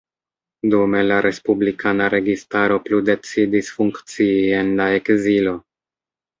Dume, la respublikana registaro plu decidis funkcii en la ekzilo.